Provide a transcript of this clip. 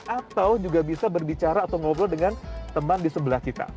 atau juga bisa berbicara atau ngobrol dengan teman di sebelah kita